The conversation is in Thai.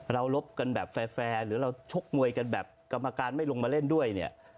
รบกันแบบแฟร์หรือเราชกมวยกันแบบกรรมการไม่ลงมาเล่นด้วยเนี่ย